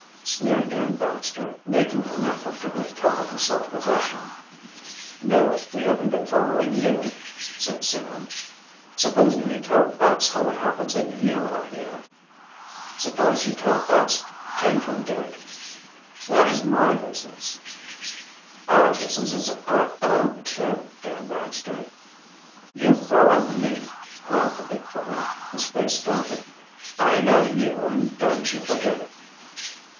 sneered Dan Baxter, making an effort to recover his self possession. "No, we haven't been following you," said Sam. "Supposing you tell us how it happens that you are here?" "Suppose you tell us how it happens that you are here," came from Dick. "That is my business." "Our business is our own, too, Dan Baxter." "You followed me," growled the big bully, his face darkening. "I know you and don't you forget it."